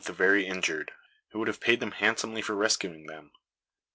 ] the very injured, who would have paid them handsomely for rescuing them.